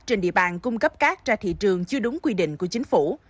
trên địa bàn cung cấp cát ra thị trường chưa đúng quy định của chính phủ